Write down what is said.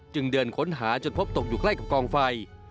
เดินค้นหาจนพบตกอยู่ใกล้กับกองไฟ